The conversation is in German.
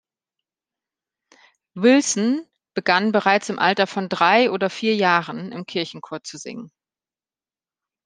Wilson begann bereits im Alter von drei oder vier Jahren im Kirchenchor zu singen.